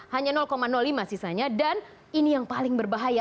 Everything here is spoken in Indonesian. hanya lima sisanya dan ini yang paling berbahaya